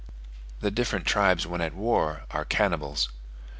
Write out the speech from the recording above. The different tribes when at war are cannibals.